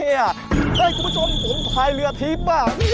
เฮ่ยคุณผู้ชมผมพายเรือทีป